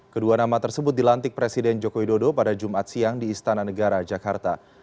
kedua nama tersebut dilantik presiden joko widodo pada jumat siang di istana negara jakarta